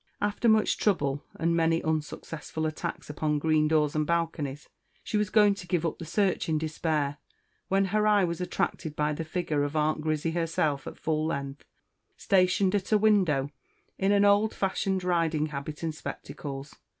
After much trouble, and many unsuccessful attacks upon green doors and balconies, she was going to give up the search in despair, when her eye was attracted by the figure of Aunt Grizzy herself at full length, stationed at a window, in an old fashioned riding habit and spectacles.